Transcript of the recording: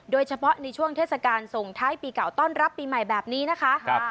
โดยเฉพาะในช่วงเทศกาลส่งท้ายปีเก่าต้อนรับปีใหม่แบบนี้นะคะ